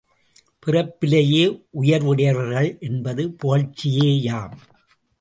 பிறப்பிலேயே உயர்வுடையவர்கள் என்பது புகழ்ச்சியேயாம்.